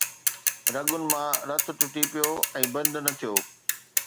رڳن مان رت ٽٽي پيو ۽ بند نه ٿيو